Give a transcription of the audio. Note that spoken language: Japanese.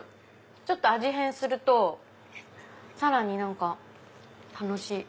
ちょっと味変するとさらに楽しい。